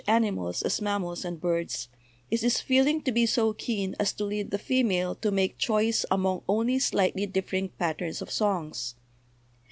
animals as mammals and birds, is this feeling to be so keen as to lead the female to make choice among only slightly differing patterns of songs?